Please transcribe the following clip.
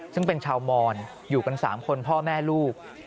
ซึ่งเป็นชาวมอนอยู่กัน๓คนพ่อแม่ลูก